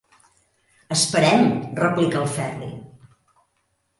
Esperem –replica el Ferri.